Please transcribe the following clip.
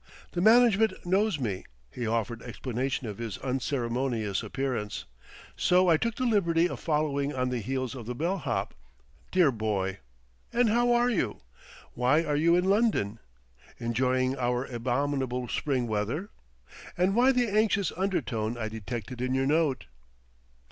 "The management knows me," he offered explanation of his unceremonious appearance; "so I took the liberty of following on the heels of the bellhop, dear boy. And how are you? Why are you in London, enjoying our abominable spring weather? And why the anxious undertone I detected in your note?"